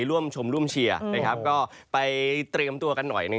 รวมชมร่วมเชียร์ไปกันไปเตรียมตัวกันน่ะ